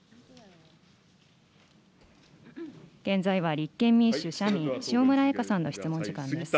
現在は立憲民主・社民、塩村あやかさんの質問時間です。